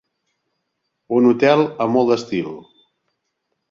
Un hotel amb molt d'estil.